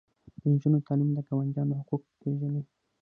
د نجونو تعلیم د ګاونډیانو حقوق پیژني.